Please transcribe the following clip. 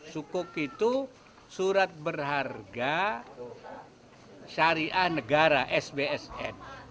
sukuk itu surat berharga syariah negara sbsn